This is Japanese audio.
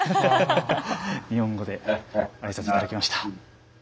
日本語で挨拶いただきました。